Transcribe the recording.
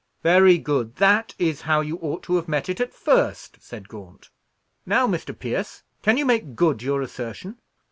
"Very good. That is how you ought to have met it at first," said Gaunt. "Now, Mr. Pierce, can you make good your assertion?"